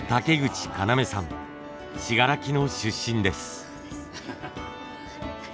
信楽の出身です。